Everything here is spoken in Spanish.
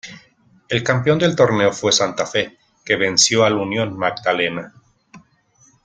El campeón del torneo fue Santa Fe que venció al Unión Magdalena.